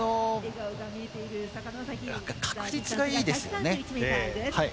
確率がいいですよね。